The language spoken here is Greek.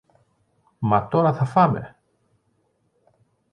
Μα τώρα θα φάμε!